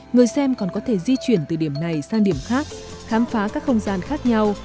người xem còn có thể di chuyển từ điểm này sang điểm khác khám phá các không gian khác nhau